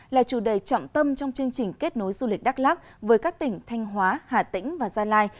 là chủ đề trọng tâm trong chương trình kết nối du lịch đắk lắc với các tỉnh thanh hóa hà tĩnh và gia lai